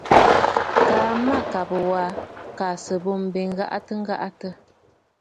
Kaa mâkàbə̀ wa à sɨ̀ bê m̀bə ghâbə̀ ghâbə̀.